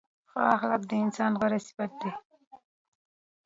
ښه اخلاق د انسان غوره صفت دی.